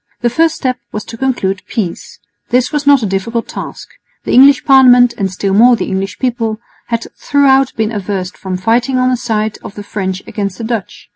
The first step was to conclude peace. This was not a difficult task. The English Parliament, and still more the English people, had throughout been averse from fighting on the side of the French against the Dutch.